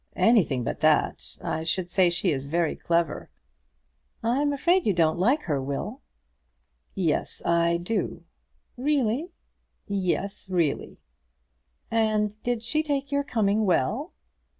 "Anything but that. I should say she is very clever." "I'm afraid you don't like her, Will." "Yes, I do." "Really?" "Yes; really." "And did she take your coming well?"